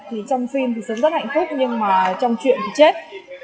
thì trong phim thì sống rất hạnh phúc nhưng mà trong chuyện thì chết